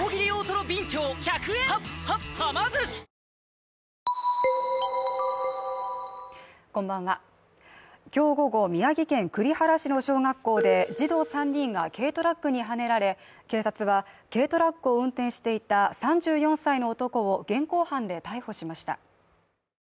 モニタリングに今日午後宮城県栗原市の小学校で児童３人が軽トラックにはねられ、警察は軽トラックを運転していた３４歳の男を現行犯で逮捕しました。